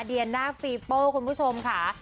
เดียน่าฟีเปิ้ลคุณผู้ชมค่ะ